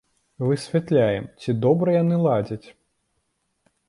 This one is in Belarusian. Высвятляем, ці добра яны ладзяць.